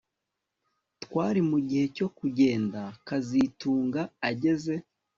Twari mugihe cyo kugenda kazitunga ageze